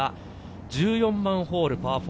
１４番ホール、パー４。